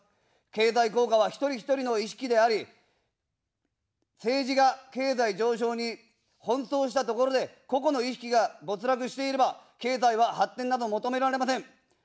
経済効果は一人一人の意識であり、政治が経済上昇に奔走したところで、個々の意識が没落していれば経済は発展など求められません。